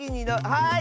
はい！